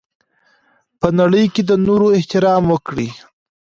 په نړۍ کي د نورو احترام وکړئ.